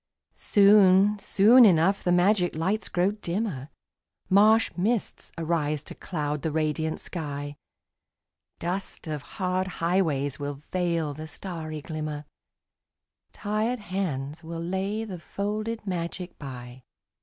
Soon, soon enough the magic lights grow dimmer, Marsh mists arise to cloud the radiant sky, Dust of hard highways will veil the starry glimmer, Tired hands will lay the folded magic by.